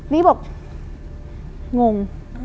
นี่บอกงง